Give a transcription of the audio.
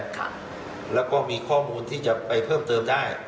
แล้วก็มีข้อมูลที่จะไปเพิ่มเติมได้